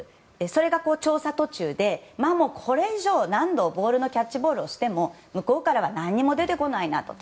それが調査途中でこれ以上、何度キャッチボールをしても向こうからは何も出てこないだろうと。